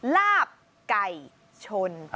ลาบไก่ชน